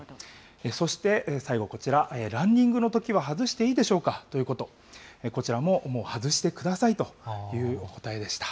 そして最後こちら、ランニングのときは外していいでしょうか？というと、こちらももう外してくださいというお答えでした。